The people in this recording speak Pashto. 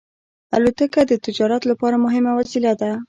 الوتکه د تجارت لپاره مهمه وسیله ده.